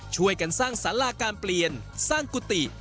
ช่วยกันสร้างสาราการเปลี่ยนสร้างกุฏิ